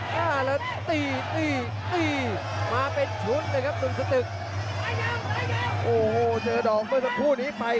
มาแล้วว่าตีมาเป็นชุดนะครับหนุ่มสะตึก